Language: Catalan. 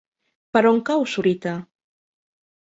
Per on cau Sorita?